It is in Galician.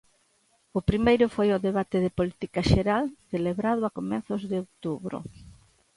O primeiro foi o debate de política xeral, celebrado a comezos de outubro.